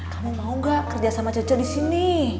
kamu mau gak kerja sama cucu di sini